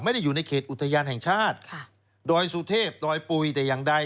ไม่ได้อยู่ในเขตอุทธยานแห่งชาติโดยสุเทพฯโดยปุ๋ยแต่อย่างใด